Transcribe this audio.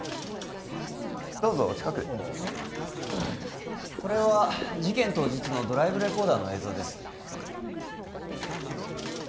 どうぞ近くへこれは事件当日のドライブレコーダーの映像です